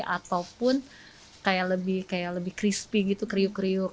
ataupun kayak lebih crispy gitu kriuk kriuk